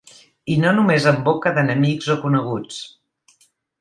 I no només en boca d'enemics o coneguts.